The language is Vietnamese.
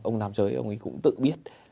ông nam giới cũng tự biết